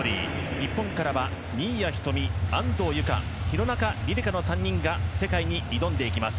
日本からは新谷仁美安藤友香、廣中璃梨佳の３人が世界に挑んでいきます。